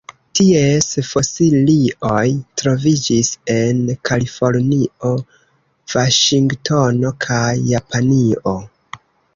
Ties fosilioj troviĝis en Kalifornio, Vaŝingtono kaj Japanio.